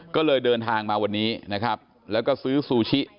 ก็เลยเดินทางมาวันนี้นะครับแล้วก็ซื้อซูชิ